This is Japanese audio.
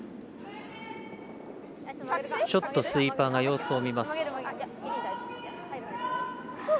ちょっとスイーパーが様子を見ます。